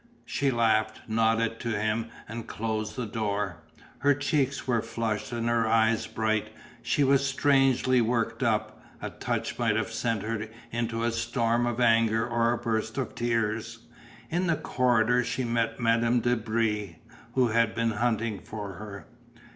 She laughed, nodded to him, and closed the door. Her cheeks were flushed and her eyes bright, she was strangely worked up; a touch might have sent her into a storm of anger or a burst of tears. In the corridor she met Madame de Brie who had been hunting for her.